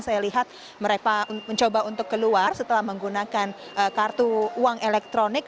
saya lihat mereka mencoba untuk keluar setelah menggunakan kartu uang elektronik